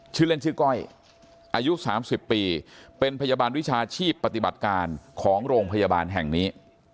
ชื่อเล่นชื่อก้อยอายุ๓๐ปีเป็นพยาบาลวิชาชีพปฏิบัติการของโรงพยาบาลแห่งนี้